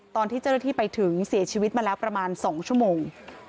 ตอนที่เจ้าหน้าที่ไปถึงเสียชีวิตมาแล้วประมาณ๒ชั่วโมง